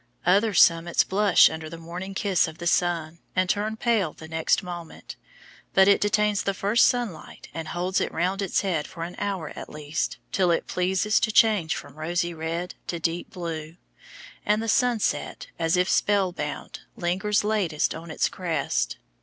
Other summits blush under the morning kiss of the sun, and turn pale the next moment; but it detains the first sunlight and holds it round its head for an hour at least, till it pleases to change from rosy red to deep blue; and the sunset, as if spell bound, lingers latest on its crest.